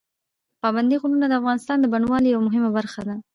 پابندي غرونه د افغانستان د بڼوالۍ یوه مهمه برخه ده.